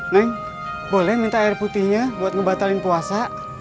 neng boleh minta air putihnya buat ngebatalin puasa